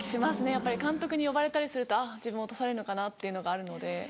やっぱり監督に呼ばれたりすると自分落とされるのかなっていうのがあるので。